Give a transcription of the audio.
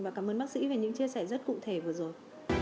và cảm ơn bác sĩ về những chia sẻ rất cụ thể vừa rồi